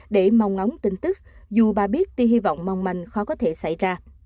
để mong ngóng tin tức dù bà biết ti hy vọng mong manh khó có thể xảy ra